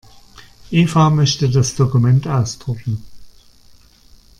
Eva möchte das Dokument ausdrucken.